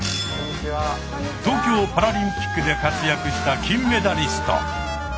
東京パラリンピックで活躍した金メダリスト。